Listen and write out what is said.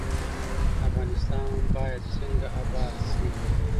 افغانستان باید څنګه اباد شي؟